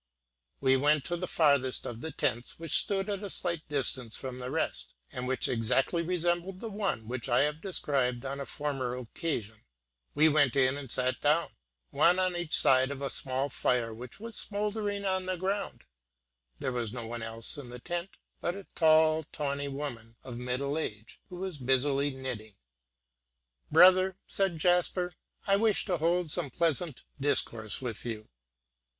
We went to the farthest of the tents, which stood at a slight distance from the rest, and which exactly resembled the one which I have described on a former occasion; we went in and sat down, one on each side of a small fire which was smoldering on the ground; there was no one else in the tent but a tall tawny woman of middle age, who was busily knitting. "Brother," said Jasper, "I wish to hold some pleasant discourse with you."